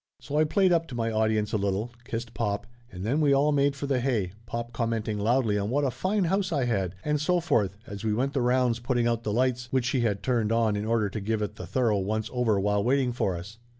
So I played up to my audience a little, kissed pop, and then we all made for the hay, pop commenting loudly on what a fine house I had, and so forth, as we went the rounds putting out the lights, which he had turned on in order to give it the thorough once over while waiting for us.